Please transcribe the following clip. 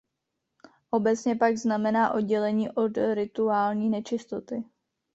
Obecně pak znamená oddělení od rituální nečistoty.